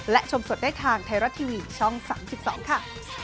และชมสดได้ทางไทยรัฐทีวีช่อง๓๒ค่ะ